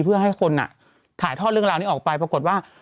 เพื่อให้คนถ่ายทอดเรื่องราวนี้ออกไปปรากฏว่า